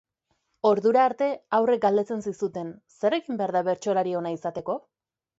Ordura arte haurrek galdetzen zizuten, zer egin behar da bertsolari ona izateko?